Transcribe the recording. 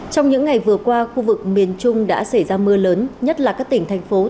trong những ngày vừa qua khu vực miền trung đã xảy ra mưa lớn